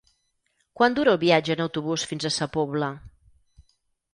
Quant dura el viatge en autobús fins a Sa Pobla?